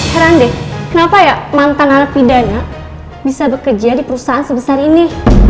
heran deh kenapa ya mantan narapidana bisa bekerja di perusahaan sebesar ini